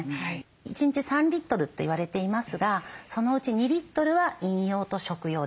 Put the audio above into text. １日３リットルって言われていますがそのうち２リットルは飲用と食用です。